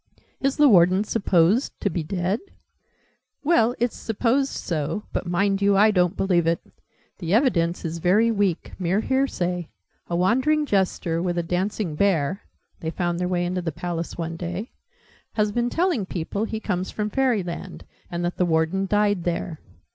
"Is the Warden supposed to be dead?" "Well, it's supposed so: but, mind you, I don't believe it! The evidence is very weak mere hear say. A wandering Jester, with a Dancing Bear (they found their way into the Palace, one day) has been telling people he comes from Fairyland, and that the Warden died there.